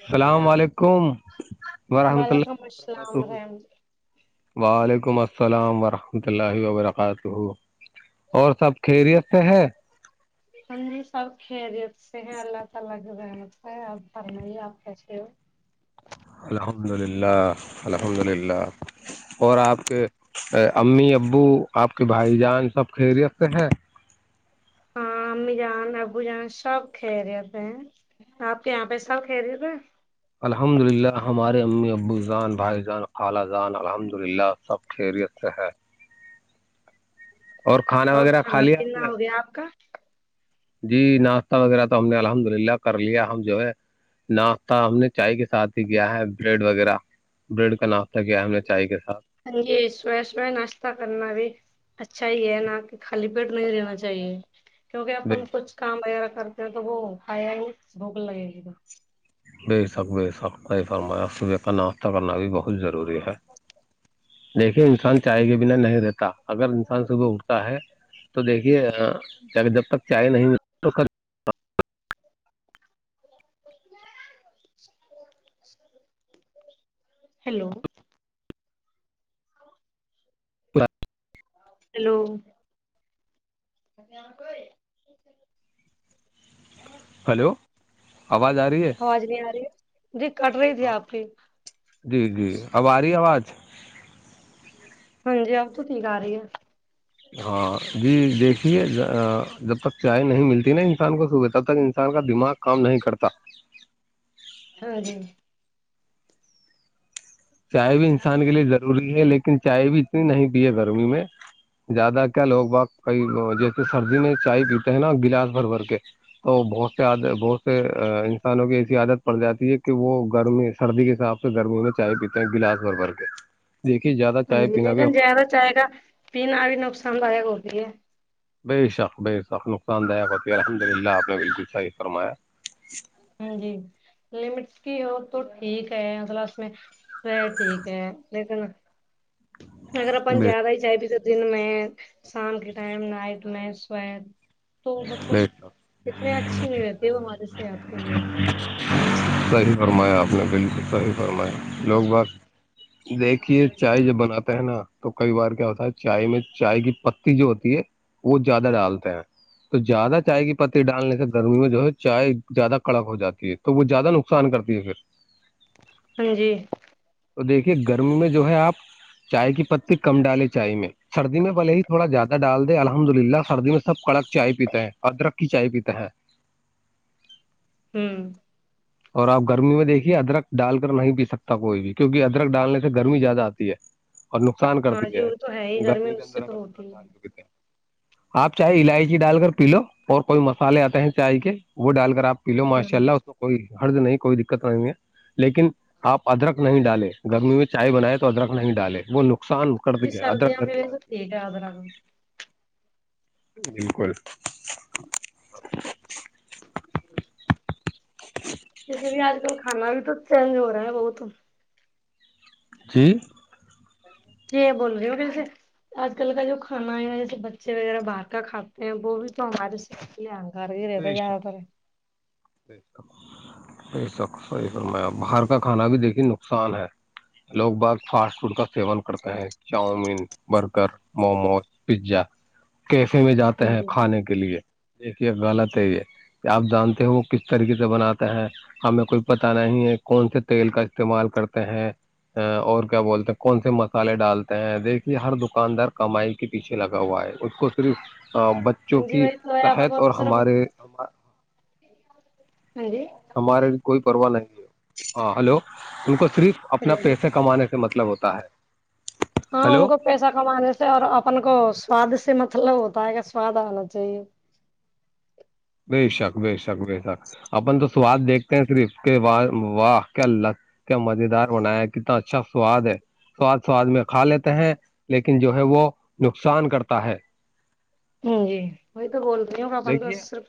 السلام علیکم وورحمۃ اللہ وعلیکم السلام وبرکاتہ رحمت وعلیکم السلام ورحمۃ اللہ وبرکاتہ اور سب خیریت سے ہے ہم جی سب کھیریت سے ہیں اللہ تعال رہ ہے ا فرم آپ کیے ہو الحمد للہ الحمد للہ اور آپ کے امی ابو آپ کے بھائی جان سب خیریتتے ہیں ہاں امی جان ابو جان سب کھہ رہےتے ہیں آپ کے یہاں پہ سا خریے گا [unintelligible] خیریت سے ہے اور وغیرہ کھا کھانا لیا آپ پینا نے ہو گیا آپ کا جی ناشتہ وغیرہ تو ہم نے الحمد للہ کر لیا ہم جو ہے ناشتہ ہم نے چائے کے ساتھ ہی کیا ہے بریڈ وغیرہ بریڈ کا ناشہ کیا ہم نے چائے کے ساتھ ہ جی سو سوئے ناشتتا کرنا بھی اچھا ہی ہے نا کہ خالی پیٹ نہیں رہنا چاہیے کیوںکہ بے اپن کچھ کام وغیرہ کرتے ہیں تو وہ آیا ہی بھوک لگے گی ب بے شک بے شک کئی فرمایا صبح کا ناشتہ کرنا بھی بہت ضروری ہے دیکھیے انسان چائے کے بنا نہیں رہتا اگر انسان صبح اٹھتا ہے تو دیکھیے جب تک چائے نہیں ملتی تو ہیلو پورا ہیلو ا آ کو ہلو آواز آ رہی ہے آواز نہیں آ رہی جی کٹ رہی تھی آپ کی جی جی اب آ رہی آواز ہاں جی آپ تو ٹھیک آ رہی ہے ہاں جی دیکھیے جب تک چائے نہیں ملتی نا انسان کو صبح تب تک انسان کا دماغ کام نہیں کرتا ہاں جی چائے بھی انسان کے لیے ضروری ہے لیکن چائے بھی اتنی نہیں پی ہے گرمی میں زیادہ کیا لوگ با کئی جیسے سردی میں چائے پیتے ہیں نا گلاس بھر بھر کے تو بہت سے عادت بہت سے انسانوں کی ایسی عادت پڑ جاتی ہے کہ وہ گرمی سردی کے ساتھ س سے گرمینے چائے پیتے ہیں گلاس بھر بھر کے دیکھیے زیادہ ہاں چائے جی پینا بھی لیکن جیا ہمارا تو چاہے گا پیین بھی نقصان لاک ہوتی ہے بے شک بے شک نقصان دایک ہوتی ہے الحمد للہ آپ نے بالک صاہح فرمایا ہ جی لمٹس کی اور تو ٹھیک ہے مطل اس میں و ٹھیک ہے لیکن اگر اپن بے زیاد ہی جب کے دن میں شام کے ٹائم نائٹ میں سو تو مطلب بے شک اتنی اچھی نہیں رہتی وہ ہمارے سے آپ کے لیے صحیح فرمایا آپ نے بالکل صحیح فرمایا لوگ بس دیکھیے چائے جب بناتے نا تو کئی بار کیا ہوتا ہے چائے میں چائے کی پتی جو ہوتی ہے وہ زیادہ ڈالتے ہیں تو زیادہ چائے کی پتی ڈالنے سے گرمی میں جو ہے چائے زیادہ کڑک ہو جاتی ہے تو وہ زیادہ نقصان کرتی ہے پھر ج ہاں جی تو دیکھیے گرمی میں جو ہے آپ چائے کی پتی کم ڈالیں چائے میں سردی میں بلے ہی تھوڑا زیادہ ڈال دے الحمد للہ سردی میں سب کڑک چائے پیتے ہیں ادرک کی چائے پیتے ہیں ہوں اور آپ گرمی میں دیکھیے ادرک ڈال کر نہیں پی سکتا کوئی بھی کیونکہ ادرک ڈالنے سے گرمی زیادہ آتی ہے اور نقصان ہاں کرتی جی ہے وہ تو ہی گرمی کے اس سے اندر تو اگر ادرک ہوتی ہے ڈالتے آپ چاہے الائچی ڈال کر پی لو اور کوئی مسالے آتے ہیں چائے کے وہ ڈال کر آپ پی لو ماشاء ہوں اللہ اس کوئی حرد نہیں کوئی دقت نہیں ہے لیکن آپ ادرک نہیں ڈالے گرمی میں چائے بنائے تو ادرک نہیں ڈالے وہ نک نقصان کر جی دیا ادرک سردیاں بھی گرمی ویسے کرتی ٹھیک ادرک ہے بالکل جی ج [inaudible] جیسے بھی آج کل کھا بھی تو چینج ہو رہا ہے بہت [inaudible] جی بول رہی ہو کل سےے آج کل کا جو کھانا ہے جیسے بچے وغیرہ باہر کا کھاتے ہیں وہ بھی تو لن کر گ رے تو زیاد تر ی سک صحی فر میں باہر کا کھانا بھی دیکھیے نقصان ہے لوگ بعت فاسٹ فوڈ کا سیون کرتے ہیں chowmein burger momos pizza cafe میں ہاں جاتے ہیں جی کھانے کے لیے دیکھیے غلط ہے یہ کہ آپ جانتے ہو کس طریقے سے بناتے ہیں ہمیں کوئی پتا نہیں ہے کون سے تیل کا استعمال کرتے ہیں اور کیا بولتے ہیں کون سے مسالے ڈالتے دیکھیے ہر دکاندار کمائی کے پیچھے لگا ہوا ہے اس کو صرف بچوں ہاں جی کی وہی تو ہے آپ صحت کو اور تو صرف ہمارے ہاں جی ہمارے لیے کوئی پرواہ نہیں ہے ہاں ہلو ان کو صرف اپنا ہیلو جی پیسے کمانے سے مطلب ہوتا ہے ہاں ان ہلو کو پیسہ کمانے سے اور اپن کو سواد سے مطلب ہوتا ہے کہ سواد آنا چاہیے بے شک بے شک بے شک اپن تو سواد دیکھتے ہیں صرف کہ واہ واہ کیا اللہ کیا مزے دار بنایا کتنا اچھا سواد ہے سواد سواد میں کھا لیتے ہیں لیکن جو ہے وہ نقصان کرتا ہے ہ جی وہی تو بولتی ہوگا ب تو دیکھیے صرف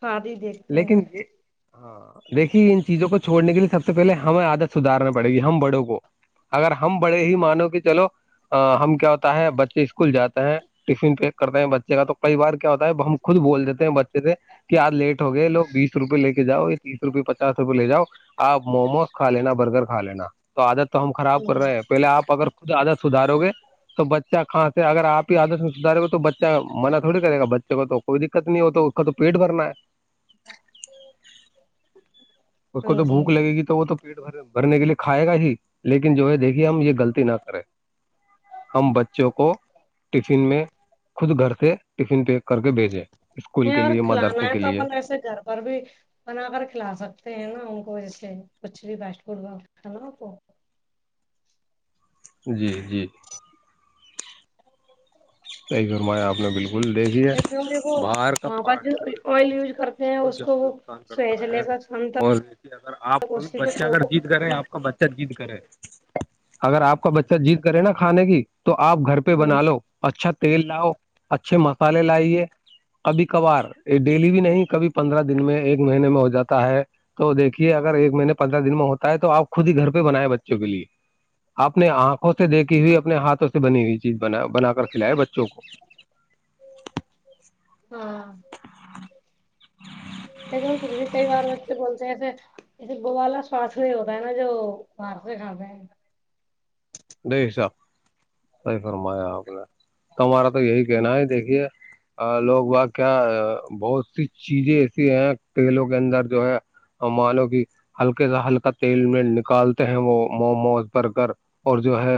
ساد ہی دیکھ لیکن یہ ہاں دیکھیے ان چیزوں کو چھوڑنے کے لیے سب سے پہلے ہمیں عادت سھارنا پڑے گی ہم بڑوں کو اگر ہم بڑے ہی مانو کہ چلو ہم کیا ہوتا ہے بچے اسکول جاتے ہیں ٹفن پیک کرتا ہے ہیں بچے کا تو کئی بار کیا ہوتا ہے ہم خود بول دیتے ہیں بچے سے کہ آار لیٹ ہو گئے لو بیسوپئے لے جاؤ یہ تیس روپئے پچاسوپئے لےاؤ آپ موموز کھا لینا برگر کھا لینا تو عادت تو ہم خراب کر رہے ہیں پہلے آپ اگر کچ آادت سھارو گے تو بچہ خاں سے اگر آپ ہی آدت میں سدھارو گے تو بچ اچ منع تھوڑی کرے گا بچے کو تو کوئی دقت نہیں ہو تو اس کا تو پیٹ بھرنا ہے [inaudible] اس کو تو بھوک لگے گی تو وہ تو پیٹ بھر بھرنے کے لیے کھائے گا ہی لیکن جو ہے دیکھیے ہم یہ غلط نہ کرے ہم بچوں کو ٹفن میں خود گھر سے ٹفن پیک کر کے بھیجے اسکول نہیں کے لیے کھلانا مدرس ہے کے تو لیے اپن ایسے گھر اور بھی بنا کر کھلا سکتے ہیں نا ان کو جیسے کچھ بھی فاسٹ فڈ ب نا کو جی جی ا ج گھرایاپ نے بالکل بول دیک ہی ہے ہوں گے وہ باہر کا وہاں پر جو فاسٹ فوڈ آئل یوز کرتے ہیں بہت اس کو زیادہ وہ لوگ سوے تا سے ہے لے کر شام اور جے اگر آپ تک کبھی اسی بچہ کو اگر جیت کرے اتنا آپ کا بچہ بہ جید کرے اگر آپ کا بچہ جید کرے نا کھانے کی تو آپ گھر پہ بنا لو اچھا تیل لاؤ اچھے مسالے لائیے کبھی کبھار یہ ڈیلی بھی نہیں کبھی پندرہ دن میں ایک مہینے میں ہو جاتا ہے تو دیکھیے اگر ایک مہینے پندرہ دن میں ہوتا ہے تو آپ خود ہی گھر پہ بنیں بچوں کے لیے آپ نے آنکھوں سے دیکھی ہوئی اپنے ہاتھوں سے بنی ہوئی چیز ب بنا کر کھلاائے بچوں کو ہاں تو پھر بھی کئی بار وے بولتے ہیں ایسے ایے بوا سواس یہ ہوتا ہے نا جو باہر سے کھاتے ہیں نہیں ح صاحب صحیح فرمایا آپ نے تمہارا تو یہی کہنا ہے دیکھیے [unintelligible] لوگ ب کیا بہت سی چیزیں ایسی ہیں کھیلوں کے اندر جو ہے [unintelligible] مانو کہ ہلکے سا ہلکا تیل میں نکالتے ہیں وہ موموز برگر [unintelligible] اور جو ہے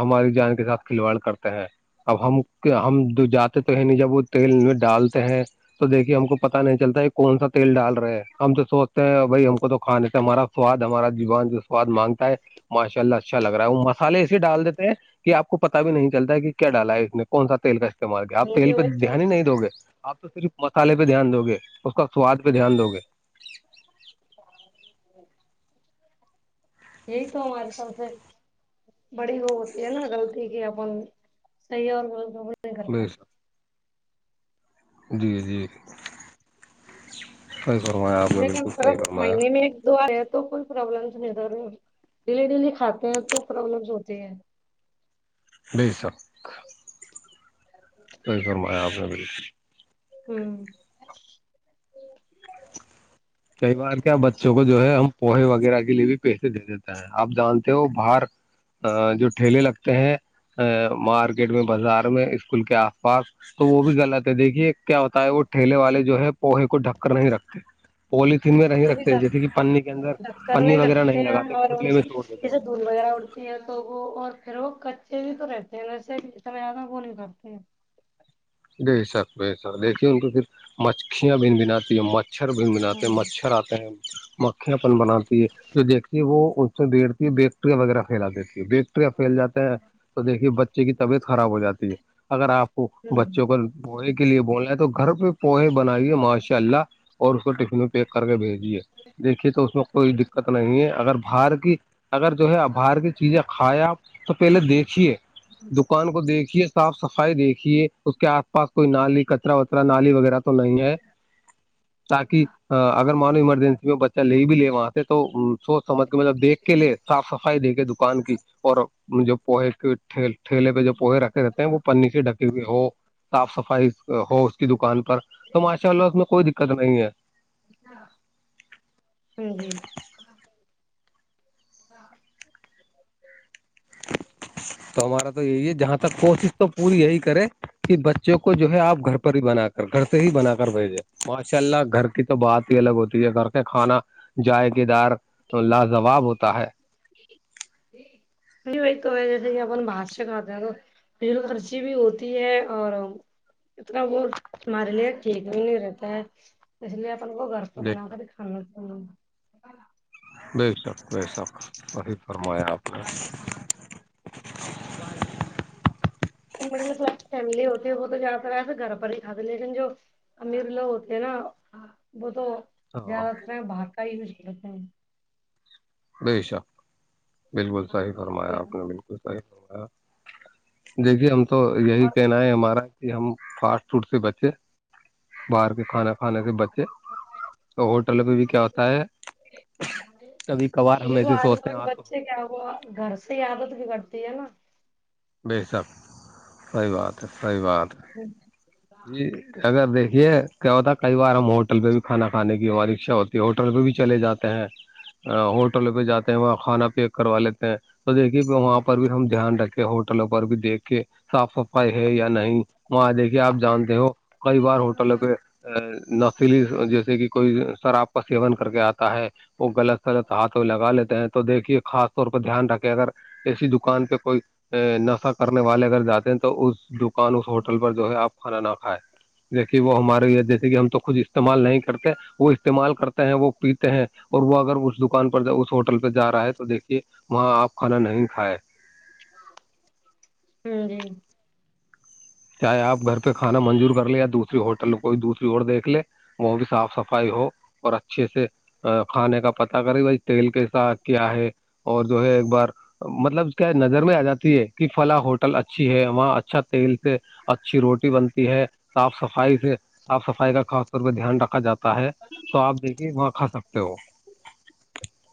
ہماری جان کے ساتھ کھلواڑ کرتے ہیں [unintelligible] اب ہم ہم جاتے تو ہے نہیں جب وہ تیل میں ڈالتے ہیں [unintelligible] تو دیکھیے ہم کو پتا نہیں چلتا ہے کہ کون سا تیل ڈال رہ ہے ہم تو سوچتے ہیں بھائی ہم کو تو کھاےتے ہمارا [unintelligible] سواد ہمارا زبان جو سواد مانگتا ہے ماشاء اللہچ [unintelligible] لگ رہا ہے وہ مسالے اسے ڈال دیتے ہیں کہ آپ کو پتا بھی نہیں چلتا کہ کیا ڈالا ہے اس نے کون سا تیل رہ [unintelligible] مار آپ ہاں تیل جی پہ وہی تو دھیان ہی نہیں دو گے آپ تو صرف مسالے پہ دھیان دو گے اس کا [unintelligible] سواد پہ دھیان دو گے ہ [unintelligible] یہی تو ہمارے س سے [unintelligible] بڑی وہ ہوتی ہے نا غلطی کی اپن صحیح اور غلط نہیں کر بے پاتے [unintelligible] شک، جی جی [unintelligible] فرمایا آپ نے بالکل لیکنر صحیح فرمایا مہینے میں ایک دو آیا [unintelligible] تو کوئی پرابلمس نہیں ادھر ڈیلی ڈیلی کھاتے ہیں تو پرابلمس ہوتے ہیں [unintelligible] بیی سر [unintelligible] صحیح فرمایا آپ نے بالکل [unintelligible] ہوں [unintelligible] کئی بار کیا بچوں کو جو ہے ہم پوہے وغیرہ کے لیے بھی پیسے دے دیتا ہیں آپ جانتے ہو باہر [unintelligible] ا جو ٹھیلے لگتے ہیں ا مارکیٹ میں بازار میں اسکول کے آس پاس [unintelligible] تو وہ بھی گل آتے ہے دیکھیے کیا ہوتا ہے وہ ٹھیلے والے جو ہے پوہے کو ڈھک کر نہیں رکھتے [unintelligible] پولیتن میں [unintelligible] د جیسے کہ پنی کے اندر دکک پنی نہیں وغیرہ رکھتے ہیں لگاتے اور ان کھلے میں سے چھوڑ دیتے جسے د [unintelligible] بیاہ اڑتی ہے تو وہ اور پھر وہ کچے بھی تو رہتے ہیں ویسے بھی جت میں آد وہ نہیں کرتے ہیں [unintelligible] بے سک بے شک دیکھیے ان کو پھر مچھیاں ب بناتتی ہے [unintelligible] مچھر بھی مناتے ہاں ہیں مچھر آتے ہیں [unintelligible] پن بناتی ہے جو دیکھتی ہے وہ اس سے بیھتی ہے [unintelligible] ٹریا وغیرہ پھیلا دیتی ہے بیکٹریاں پھیل جا ہے [unintelligible] تو دیکھیے بچے کی طبیعت خراب ہو جاتی ہے اگر آپ [unintelligible] بچوں کو پوہے کے لیے بولنا ہے تو گھر پہ پوہے بنائیے ماشاء اللہ اور اس کو ٹفنوں کے [unintelligible] پ کر کے بھیج دیے دیکھیے تو اس میں کوئی دقت [unintelligible] دقت نہیں ہے اگر باہر کی اگر جو ہے باہر کی چیزیں کھیا آپ تو پہلے دیکھیے [unintelligible] دکان کو دیکھیے صاف صفائی دیکھیے اس کے آس پاس کوئی نالی کا [unintelligible] را وترا نالی وغیرہ تو نہیں ہے تاکہ اگر [unintelligible] مانو ایمرجنسی میں بچہ لے بھی لے وہاں سے تو [unintelligible] سوچ سمجھ کے مطلب دیکھ کے لے صاف صفائی دیکھے دکان کی اور جو پ [unintelligible] ٹھیلے پہ جو پوہے رکھے رہتے ہیں وہ پنی سے ڈکی ہوئے ہو صاف صفائی [unintelligible] ہو اس کی دکان پر تو ماشاء اللہ اس میں کوئی دقت نہیں ہے [unintelligible] ہوں جی [unintelligible] ہ [unintelligible] تو ہمارا تو یہی ہے جہاں تک کوچ [unintelligible] تو پوری یہی کرے کہ بچوں کو جو ہے آپ گھر پر ہی بنا کر گھر سے ہی بنا کر بھیجیں ماشاء اللہ گھر کی تو بات ہی الگ ہوتی ہے یہ کر کے کھانا جائق دار لا جوواب ہوتا ہے نہیں تو جیسے کہ اپنا بادش کات د ہیں تو بل خرچی بھی ہوتی ہے اور اتنا وہ ہمار لیے ٹھیک بھی نہیں رہتا ہے اس لیے اپن کو گھر بے بنا کر شک کانا چ بے شک بے شک وہی فرمایا آپ نے مے فیملی ہوتے وہ تو زیاد تر وسے گھر پر ہی کاتے لیکن جو [inaudible] امیر لوگ ہوتے ہیں نا وہ تو ہاں زیادہ ار بھاگ کا ہی یوز کرتے ہیں [inaudible] بے شک بالکل صحیح فرمایا آپ نے بال دیکھیے ہم تو یہی کہنا ہے ہمارا یہ ہم فاسٹ فوڈ سے بچے باہر کے کھانا کھانے کے بچے تو ہوٹل پہ بھی کیا ہوتا ہے کبھی کبھار ہم یہ وہ ایسے آنے سوچتے وال ہیں کے آ تو بچے کیا وہ گھر [inaudible] س عدت بھی کرتی ہے نا بے شک صحیح بات ہے صحیح بات ہے ا جی [inaudible] اگر دیکھیے کیا ہوتا کئی بار ہم ہوٹل پہ بھی کھانا کھانے کی ہماری اچھا ہوتی ہوٹل پہ بھی چلے جاتے ہیں ہوٹلوں پہ جاتے ہیں وہ کھانا پیک کروا لیتے ہیں تو دیکھیے وہاں پر بھی ہم دھیان رکھیں ہوٹلوں پر بھی دیکھ کے صاف صفائی ہے یا نہیں وہاں دیکھیے آپ جانتے ہو کئی بار ہوٹل پہ نسلی جیسے کہ کوئی شراب کا سیون کر کے آتا ہے وہ غلط غلط ہاتھوں لگا لیتے ہیں تو دیکھیے خاص طور پہ دھیان رکھے اگر ایسی دکان پہ کوئی نشہ کرنے والے اگر جاتے ہیں تو اس دکان اس ہوٹل پر جو ہے آپ کھانا نہ کھائے جیسے وہ ہمارے یہ جیسے کہ ہم تو خود استعمال نہیں کرتے وہ استعمال کرتے ہیں وہ پیتے ہیں اور وہ اگر اس دکھ دکان پر جب اس ہوٹل پہ جا رہا ہے تو دیکھیے وہاں آپ کھانا نہیں کھائے ہ [inaudible] ج جی [inaudible] چاہے آپ گھر پہ کھانا منظور کر لے یا دوسری ہوٹل کوئی دوسری اور دیکھ لے وہ بھی صاف صفائی ہو اور اچھے سے ا کھانے کا پتا کرے بھائی تیل کے ساھ کیا ہے اور جو ہے ایک بار مطلب کیا نظر میں آ جاتی ہے کہ فلا ہوٹل اچھی ہے وہاں اچھا تیل سے اچھی روٹی بنتی ہے صاف صفائی سے آپ صفائی کا خاص طور پہ دھیان رکھا جاتا ہے تو آپ دیکھیے وہاں کھا سکتے ہو [inaudible]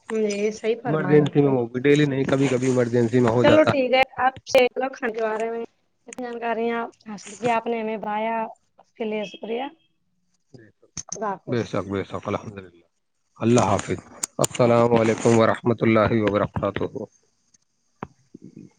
ہ یہ صحی فرمیا ایمرجنسی میں گ ہوگی ڈیلی نہیں کب کبھی ایمرجنسی میں ہو چلو جاتا ٹھیک ہے آپ چ لکھن کے بارے میں جانکاری ہیں آپ حاصل کیا آپ نے ہمیں بھیا اس کے لیے شکریہ خدا ب ب ش حافظ حک ب شک الحمد للہ اللہ حافظ السلام علیکم ورحمۃ اللہ و برکاتہ ہ [inaudible]